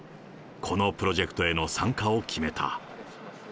このプロジェクトへの参加を決めた。